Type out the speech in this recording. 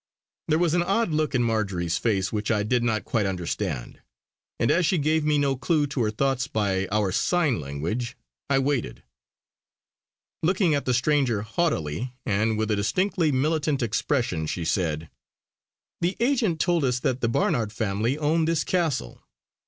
There was an odd look in Marjory's face which I did not quite understand; and as she gave me no clue to her thoughts by our sign language, I waited. Looking at the stranger haughtily, and with a distinctly militant expression she said: "The agent told us that the Barnard family owned this castle!"